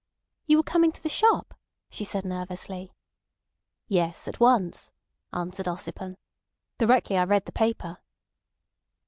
"You were coming to the shop?" she said nervously. "Yes; at once," answered Ossipon. "Directly I read the paper."